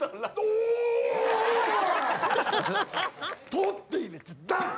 取って入れて出す！